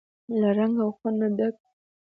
له رنګ او خوند نه ډکه وي.